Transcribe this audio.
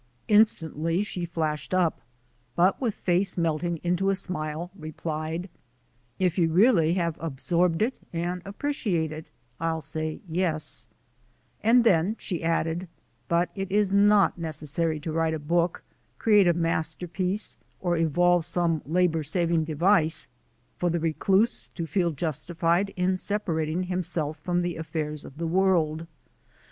'" Instantly she flashed up, but with face melting into a smile, replied: "If you really have absorbed it and appreciate it, I'll say c y es '" And then she added: "But it is not necessary to write a book, create a masterpiece, or evolve some labour saving 266 THE ADVENTURES OF A NATURE GUIDE device for the recluse to feel justified in separating himself from the affairs of the world.